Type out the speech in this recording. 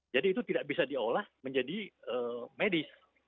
jadi itu tidak bisa diolah menjadi medis